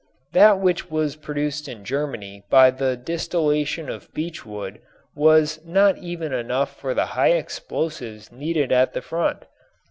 That which was produced in Germany by the distillation of beech wood was not even enough for the high explosives needed at the front.